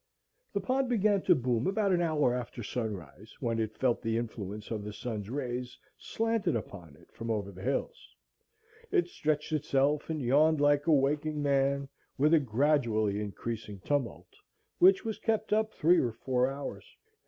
The pond began to boom about an hour after sunrise, when it felt the influence of the sun's rays slanted upon it from over the hills; it stretched itself and yawned like a waking man with a gradually increasing tumult, which was kept up three or four hours.